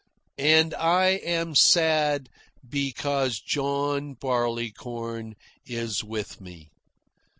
And I am sad because John Barleycorn is with me.